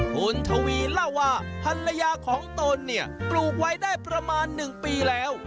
คุณทวีเล่าว่าภรรยาของตนเนี่ยปลูกไว้ได้ประมาณ๑ปีแล้ว